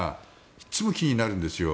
いつも気になるんですよ。